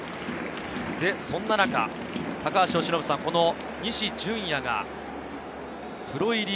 そんな中、高橋由伸さん、西純矢がプロ入り